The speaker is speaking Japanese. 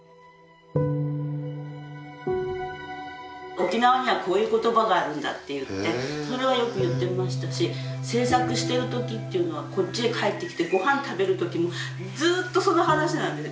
沖縄にはこういう言葉があるんだって言ってそれはよく言ってましたし制作してる時っていうのはこっちへ帰ってきてご飯食べる時もずっとその話なんです。